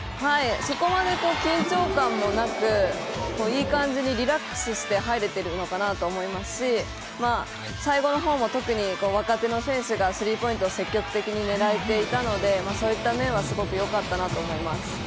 そこまで緊張感もなく、いい感じにリラックスして入れているのかなと思いますし最後の方も特に若手の選手がスリーポイントを積極的に狙えていたのでそういった面はすごくよかったなと思います。